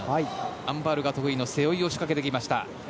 アン・バウルが得意の背負いを仕掛けてきました。